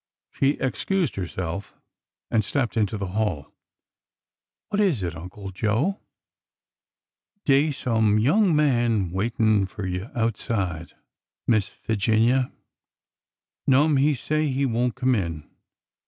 She excused herself and stepped into the hall. ''What is it. Uncle Joe?'' " Dey 's some young man waitin' fur you outside. Miss Figinia. No'm, he say he won't come in.